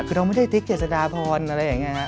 คือเราไม่ได้ติ๊กเจษฎาพรอะไรอย่างนี้ฮะ